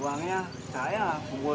uangnya saya gue sendiri